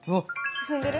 進んでる？